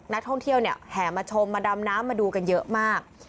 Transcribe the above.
นักท่องเที่ยวเนี่ยแห่มาชมมาดำน้ำมาดูกันเยอะมาก